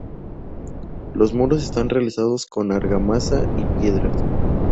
Los muros están realizados con argamasa y piedras.